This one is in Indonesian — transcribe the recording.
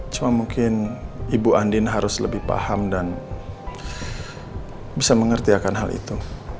cuma mungkin ibu andin harus lebih paham dan bisa mengerjakan hal itu